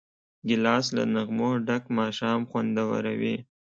ګیلاس له نغمو ډک ماښام خوندوروي.